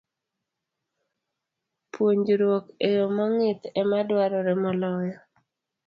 Puonjruok e yo mong'ith ema dwarore moloyo.